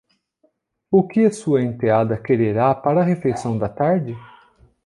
O que sua enteada quererá para a refeição da tarde?